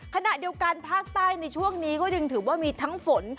ขณะเดียวกันภาคใต้ในช่วงนี้ก็ยังถือว่ามีทั้งฝน